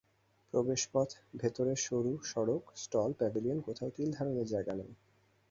প্রবেশপথ, ভেতরের সরু সড়ক, স্টল, প্যাভিলিয়ন কোথাও তিল ধারণের জায়গা নেই।